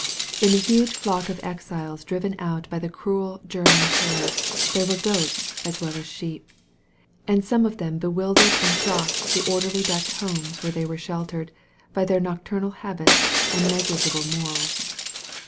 In the huge flock of exiles driven out by the cruel Grerman Terror there were goats as well as sheep, and some of them bewildered and shocked the or derly Dutch homes where they were sheltered, by their nocturnal habits and negligible morals.